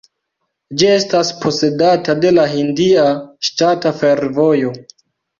Ĝi estas posedata de la Hindia ŝtata fervojo.